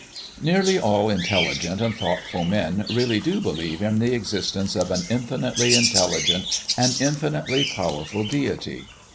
Nearly all intelligent and thoughtful men really do believe in the existence of an infinitely intelligent and infinitely powerful deity.